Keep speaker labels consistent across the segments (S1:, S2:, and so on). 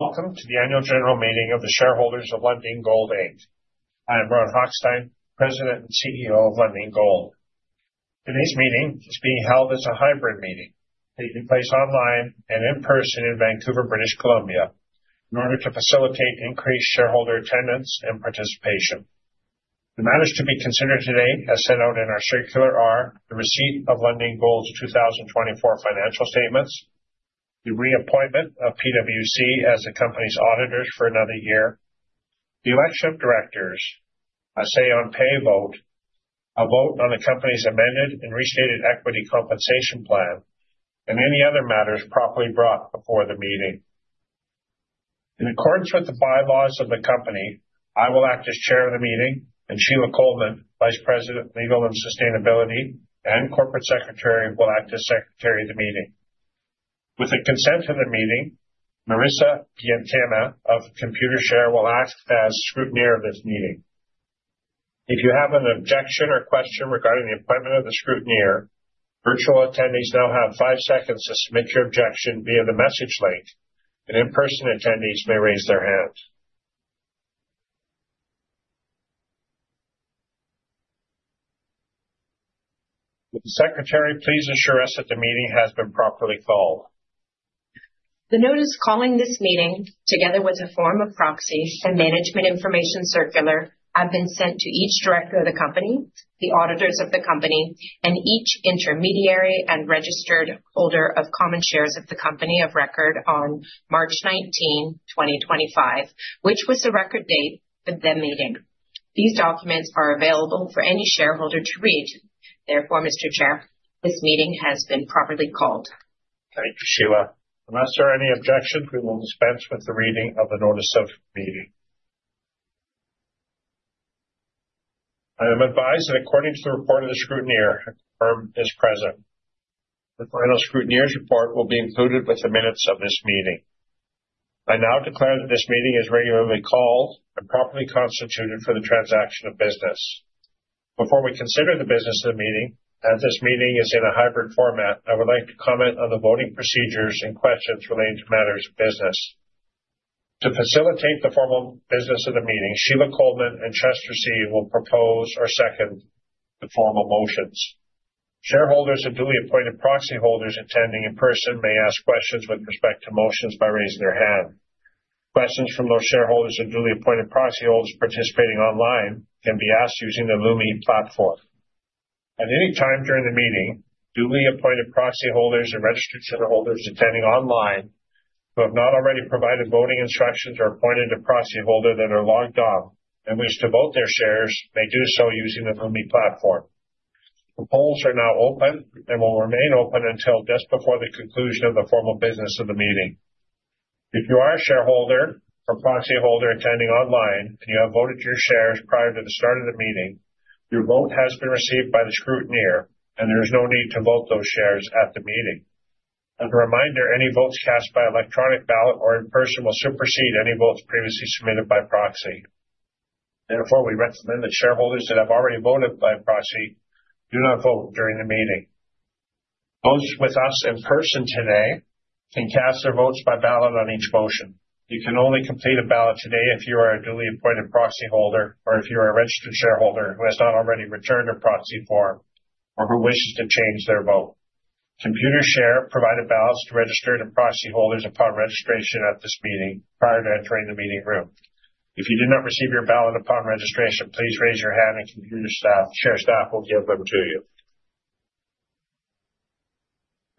S1: Welcome to the Annual General Meeting of the Shareholders of Lundin Gold. I am Ron Hochstein, President and CEO of Lundin Gold. Today's meeting is being held as a hybrid meeting. It takes place online and in person in Vancouver, British Columbia, in order to facilitate increased shareholder attendance and participation. The matters to be considered today as set out in our Circular are: the receipt of Lundin Gold's 2024 financial statements, the reappointment of PwC as the company's auditor for another year, the election of directors, a say-on-pay vote, a vote on the company's amended and restated equity compensation plan, and any other matters properly brought before the meeting. In accordance with the bylaws of the company, I will act as Chair of the meeting, and Sheila Colman, Vice President, Legal and Sustainability, and Corporate Secretary will act as Secretary of the meeting. With the consent of the meeting, Marissa Beintema' of Computershare will act as scrutineer of this meeting. If you have an objection or question regarding the appointment of the scrutineer, virtual attendees now have five seconds to submit your objection via the message link, and in-person attendees may raise their hands. Would the Secretary please assure us that the meeting has been properly called?
S2: The notice calling this meeting, together with a form of proxy and management information circular, have been sent to each director of the company, the auditors of the company, and each intermediary and registered holder of common shares of the company of record on March 19, 2025, which was the record date of their meeting. These documents are available for any shareholder to read. Therefore, Mr. Chair, this meeting has been properly called.
S1: Thank you, Sheila. Unless there are any objections, we will dispense with the reading of the notice of meeting. I am advised that according to the report of the scrutineer, a quorum is present. The final scrutineer's report will be included with the minutes of this meeting. I now declare that this meeting is regularly called and properly constituted for the transaction of business. Before we consider the business of the meeting, as this meeting is in a hybrid format, I would like to comment on the voting procedures and questions relating to matters of business. To facilitate the formal business of the meeting, Sheila Colman and Chester See will propose or second the formal motions. Shareholders and duly appointed proxy holders attending in person may ask questions with respect to motions by raising their hand. Questions from those shareholders and duly appointed proxy holders participating online can be asked using the LUMI platform. At any time during the meeting, duly appointed proxy holders and registered shareholders attending online who have not already provided voting instructions or appointed a proxy holder that are logged off and wish to vote their shares may do so using the LUMI platform. The polls are now open and will remain open until just before the conclusion of the formal business of the meeting. If you are a shareholder or proxy holder attending online and you have voted your shares prior to the start of the meeting, your vote has been received by the scrutineer, and there is no need to vote those shares at the meeting. As a reminder, any votes cast by electronic ballot or in person will supersede any votes previously submitted by proxy. Therefore, we recommend that shareholders that have already voted by proxy do not vote during the meeting. Those with us in person today can cast their votes by ballot on each motion. You can only complete a ballot today if you are a duly appointed proxy holder or if you are a registered shareholder who has not already returned a proxy form or who wishes to change their vote. Computershare provided ballots to registered and proxy holders upon registration at this meeting prior to entering the meeting room. If you did not receive your ballot upon registration, please raise your hand and Computershare staff will give them to you.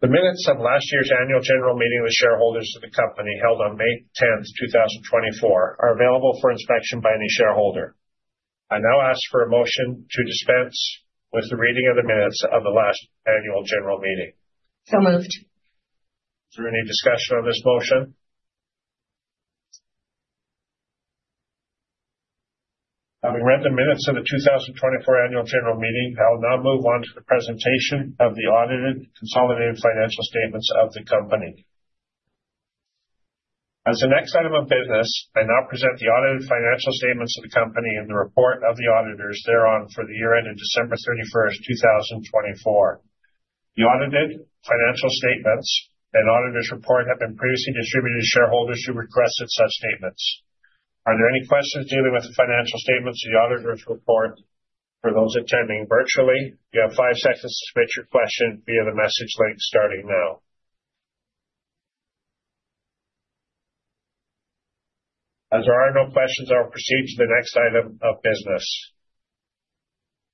S1: The minutes of last year's Annual General Meeting of the Shareholders of the Company held on May 10, 2024, are available for inspection by any shareholder. I now ask for a motion to dispense with the reading of the minutes of the last Annual General Meeting.
S2: So moved.
S1: Is there any discussion on this motion? Having read the minutes of the 2024 Annual General Meeting, I will now move on to the presentation of the audited consolidated financial statements of the company. As the next item of business, I now present the audited financial statements of the company and the report of the auditors thereon for the year ended December 31, 2024. The audited financial statements and auditor's report have been previously distributed to shareholders who requested such statements. Are there any questions dealing with the financial statements or the auditor's report for those attending virtually? You have five seconds to submit your question via the message link starting now. As there are no questions, I will proceed to the next item of business.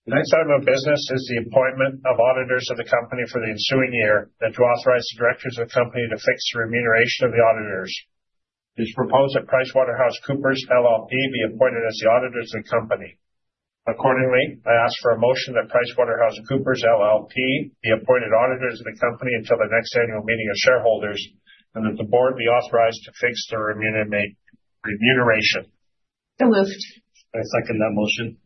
S1: The next item of business is the appointment of auditors of the company for the ensuing year that to authorize the directors of the company to fix the remuneration of the auditors. It is proposed that PricewaterhouseCoopers LLP be appointed as the auditors of the company. Accordingly, I ask for a motion that PricewaterhouseCoopers LLP be appointed auditors of the company until the next annual meeting of shareholders and that the board be authorized to fix the remuneration.
S2: So moved.
S1: I second that motion.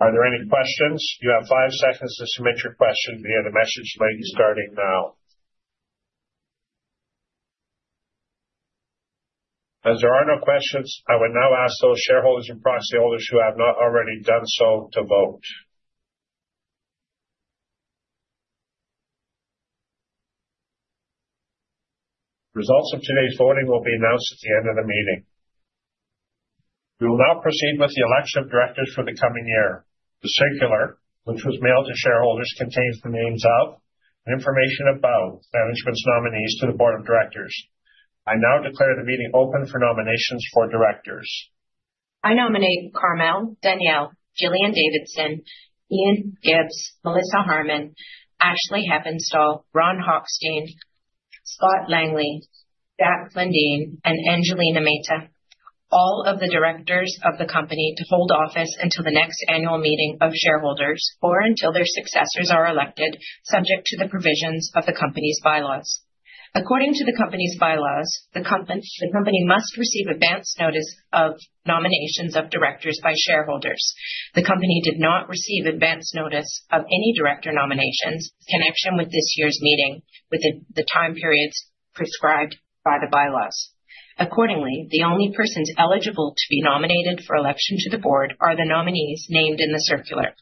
S1: Are there any questions? You have five seconds to submit your question via the message link starting now. As there are no questions, I would now ask those shareholders and proxy holders who have not already done so to vote. Results of today's voting will be announced at the end of the meeting. We will now proceed with the election of directors for the coming year. The circular, which was mailed to shareholders, contains the names of and information about management's nominees to the board of directors. I now declare the meeting open for nominations for directors.
S2: I nominate Carmel Daniele, Gillian Davidson, Ian Gibbs, Melissa Harmon, Ashley Heppenstall, Ron Hochstein, Scott Langley, Jack Lundin, and Angelina Mehta, all of the directors of the company to hold office until the next annual meeting of shareholders or until their successors are elected, subject to the provisions of the company's bylaws. According to the company's bylaws, the company must receive advance notice of nominations of directors by shareholders. The company did not receive advance notice of any director nominations in connection with this year's meeting within the time periods prescribed by the bylaws. Accordingly, the only persons eligible to be nominated for election to the board are the nominees named in the circular.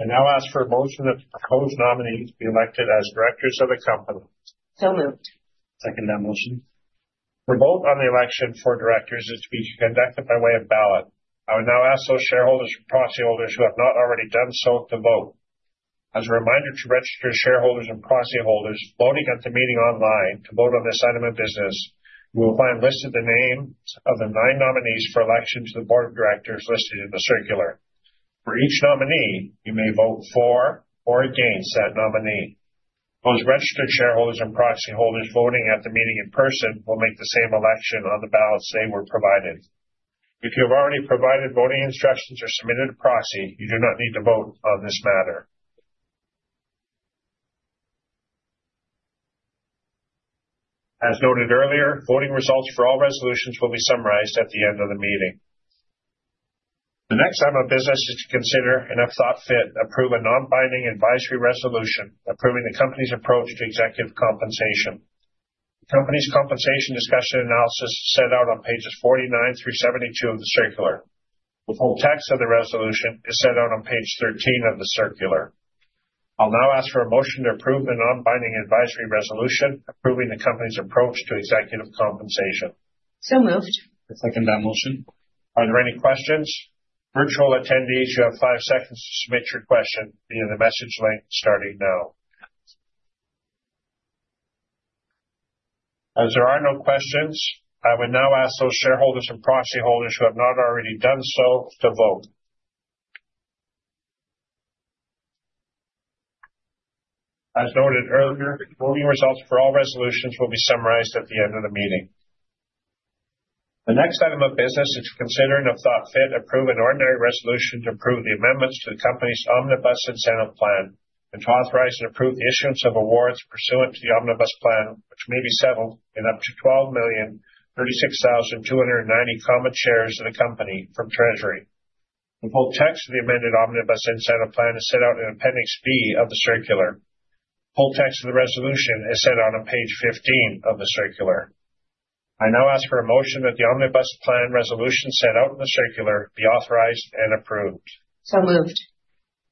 S1: I now ask for a motion that the proposed nominees be elected as directors of the company.
S2: So moved.
S1: Second that motion. For both, on the election for directors, it is to be conducted by way of ballot. I would now ask those shareholders and proxy holders who have not already done so to vote. As a reminder to registered shareholders and proxy holders voting at the meeting online, to vote on this item of business, you will find listed the names of the nine nominees for election to the board of directors listed in the circular. For each nominee, you may vote for or against that nominee. Those registered shareholders and proxy holders voting at the meeting in person will make the same election on the ballots they were provided. If you have already provided voting instructions or submitted a proxy, you do not need to vote on this matter. As noted earlier, voting results for all resolutions will be summarized at the end of the meeting. The next item of business is to consider and, if thought fit, approve a non-binding advisory resolution approving the company's approach to executive compensation. The company's compensation discussion analysis is set out on pages 49 through 72 of the circular. The full text of the resolution is set out on page 13 of the circular. I'll now ask for a motion to approve a non-binding advisory resolution approving the company's approach to executive compensation.
S2: So moved.
S1: I second that motion. Are there any questions? Virtual attendees, you have five seconds to submit your question via the message link starting now. As there are no questions, I would now ask those shareholders and proxy holders who have not already done so to vote. As noted earlier, voting results for all resolutions will be summarized at the end of the meeting. The next item of business is to consider, and if thought fit, approve an ordinary resolution to approve the amendments to the company's omnibus incentive plan and to authorize and approve the issuance of awards pursuant to the omnibus plan, which may be settled in up to 12,036,290 common shares of the company from Treasury. The full text of the amended omnibus incentive plan is set out in Appendix B of the circular. The full text of the resolution is set out on page 15 of the circular. I now ask for a motion that the omnibus plan resolution set out in the circular be authorized and approved.
S2: So moved.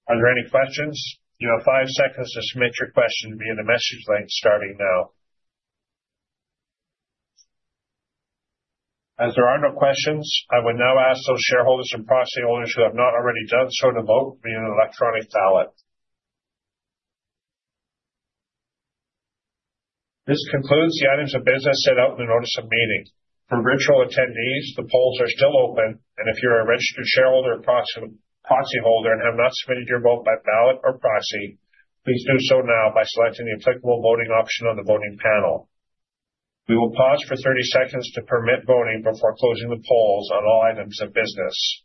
S1: Are there any questions? You have five seconds to submit your question via the message link starting now. As there are no questions, I would now ask those shareholders and proxy holders who have not already done so to vote via an electronic ballot. This concludes the items of business set out in the notice of meeting. For virtual attendees, the polls are still open, and if you are a registered shareholder or proxy holder and have not submitted your vote by ballot or proxy, please do so now by selecting the applicable voting option on the voting panel. We will pause for 30 seconds to permit voting before closing the polls on all items of business.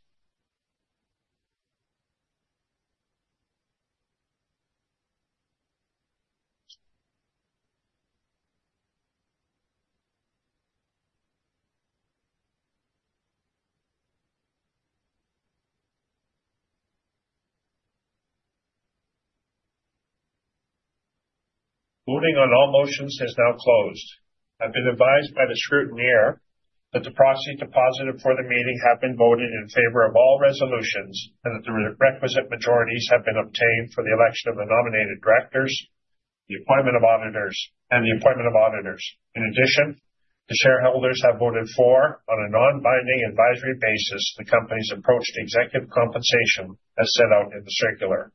S1: Voting on all motions has now closed. I've been advised by the scrutineer that the proxy deposited for the meeting have been voted in favor of all resolutions and that the requisite majorities have been obtained for the election of the nominated directors, the appointment of auditors, and the appointment of auditors. In addition, the shareholders have voted for, on a non-binding advisory basis, the company's approach to executive compensation as set out in the circular.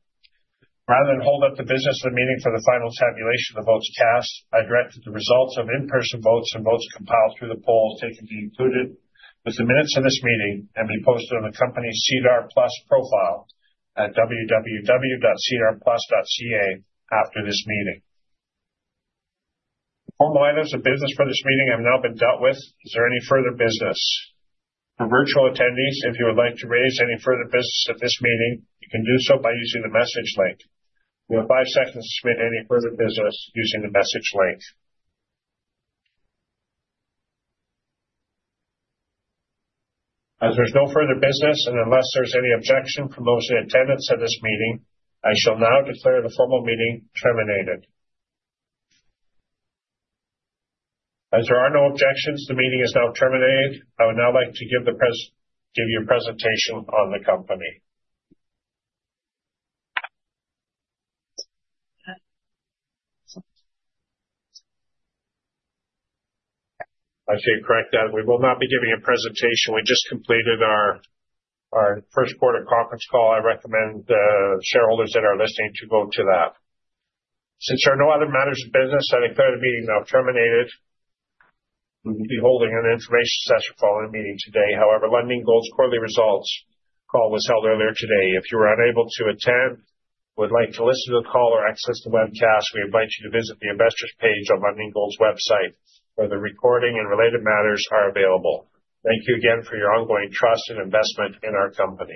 S1: Rather than hold up the business of the meeting for the final tabulation of votes cast, I direct that the results of in-person votes and votes compiled through the polls taken be included with the minutes of this meeting and be posted on the company's SEDAR+ profile at www.sedarplus.ca after this meeting. The formal items of business for this meeting have now been dealt with. Is there any further business? For virtual attendees, if you would like to raise any further business at this meeting, you can do so by using the message link. You have five seconds to submit any further business using the message link. As there is no further business, and unless there is any objection from those in attendance at this meeting, I shall now declare the formal meeting terminated. As there are no objections, the meeting is now terminated. I would now like to give you a presentation on the company. I see you correct that we will not be giving a presentation. We just completed our first quarter conference call. I recommend the shareholders that are listening to go to that. Since there are no other matters of business, I declare the meeting now terminated. We will be holding an information session following the meeting today. However, Lundin Gold's quarterly results call was held earlier today. If you were unable to attend, would like to listen to the call or access the webcast, we invite you to visit the investors page on Lundin Gold's website where the recording and related matters are available. Thank you again for your ongoing trust and investment in our company.